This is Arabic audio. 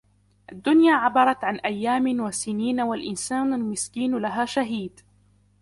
الدنيا عبرت عن ايام و سينين و الانسان المسكين لها شهيد.